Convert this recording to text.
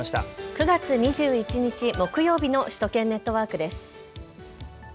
９月２１日木曜日の首都圏ネットワークです。